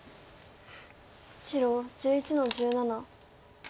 白１１の十七。